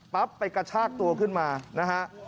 ไปกระชากตัวขึ้นมานะฮะ